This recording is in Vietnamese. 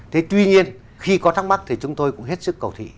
thế tuy nhiên khi có thắc mắc thì chúng tôi cũng hết sức cầu thị